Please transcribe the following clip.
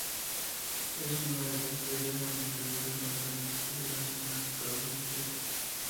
Es una de las teorías más influyentes y ampliamente estudiadas en psicología social.